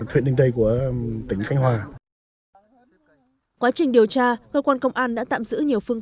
huyện ninh tây của tỉnh khánh hòa quá trình điều tra cơ quan công an đã tạm giữ nhiều phương